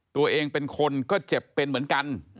ตัวเองเป็นคนก็เจ็บเป็นเหมือนกัน